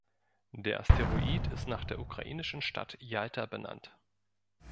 Der Asteroid ist nach der ukrainischen Stadt Jalta benannt.